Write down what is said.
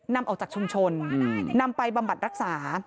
นำออกจากชุมชนนำไปบำบัดรักษา